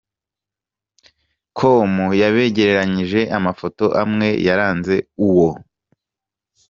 com yabegeranyirije amafoto amwe yaranze uwo.